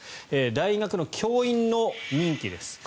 大学の教員の任期です。